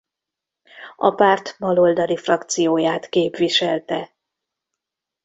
A párt baloldali frakcióját képviselte.